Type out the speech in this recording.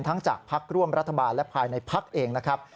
จากพักร่วมรัฐบาลและภายในพักเองนะครับ